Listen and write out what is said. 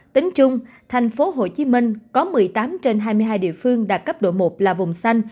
tính chung thành phố hồ chí minh có một mươi tám trên hai mươi hai địa phương đạt cấp độ một là vùng xanh